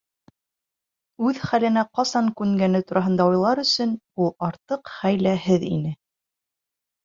Үҙ хәленә ҡасан күнгәне тураһында уйлар өсөн ул артыҡ хәйләһеҙ ине.